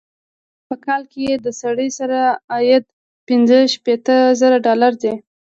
په کال کې یې د سړي سر عاید پنځه شپيته زره ډالره دی.